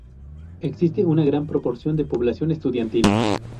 Existe una gran proporción de población estudiantil.